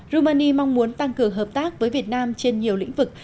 romani mong muốn tăng cường hợp tác với việt nam trên nhiều lĩnh vực